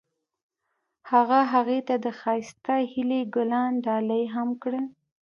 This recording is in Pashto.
هغه هغې ته د ښایسته هیلې ګلان ډالۍ هم کړل.